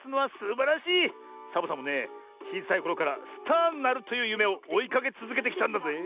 サボさんもねちいさいころからスターになるというゆめをおいかけつづけてきたんだぜえ。